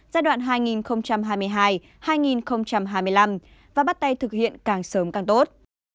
giai đoạn hai nghìn hai mươi hai hai nghìn hai mươi năm và bắt tay thực hiện càng sớm càng tốt